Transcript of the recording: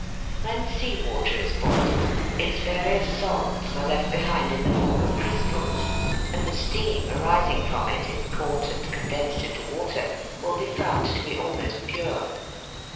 When sea water is boiled its various salts are left behind in the form of crystals, and the steam arising from it, if caught and condensed into water, will be found to be almost pure.